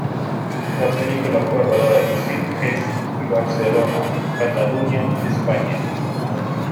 La película fue rodada en Sitges y Barcelona, Cataluña, España.